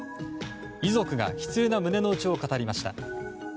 遺族が悲痛な胸の内を語りました。